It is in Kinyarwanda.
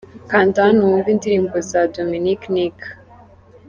Kanda hano wumve indirimbo za Dominic Nic.